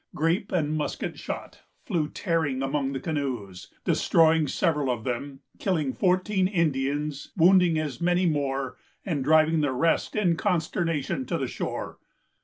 Grape and musket shot flew tearing among the canoes, destroying several of them, killing fourteen Indians, wounding as many more, and driving the rest in consternation to the shore.